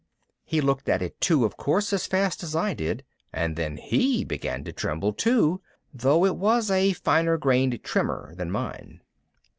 He looked at it too, of course, as fast as I did. And then he began to tremble too, though it was a finer grained tremor than mine.